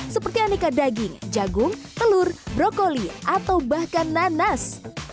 seperti aneka daging jagung telur brokoli atau bahkan nanas